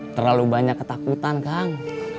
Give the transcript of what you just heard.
terlalu banyak ketakutan kang